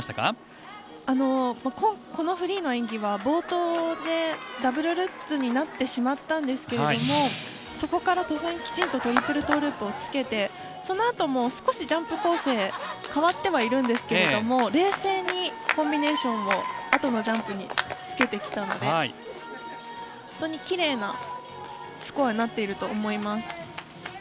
このフリーの演技は冒頭、ダブルルッツになってしまったんですけどそこからきちんとトリプルトウループをつけてそのあとも少しジャンプ構成変わってはいるんですが冷静にコンビネーションをあとのジャンプにつけてきたので本当に奇麗なスコアになっていると思います。